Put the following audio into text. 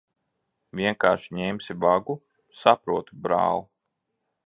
Vienkārši ņemsi vagu? Saprotu, brāl'.